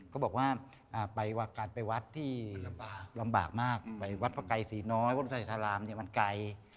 ก็บอกว่าการไปวัดที่ลำบากมากไปวัดพระไกรศรีน้อยวัดไซธารามมันไกล